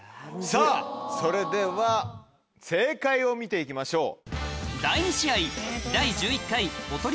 さぁそれでは正解を見て行きましょう。